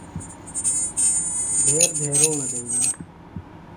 دھیر دیھروݨہ دئنی۔